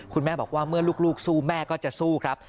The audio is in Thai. คุณแม่บอกว่าเมื่อลูกสู้แม่ก็จะสู้ครับ